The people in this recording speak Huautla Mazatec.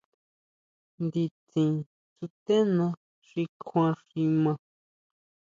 Nditsin stená xi kjuan xi maa.